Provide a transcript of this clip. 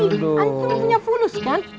antum punya fulus kan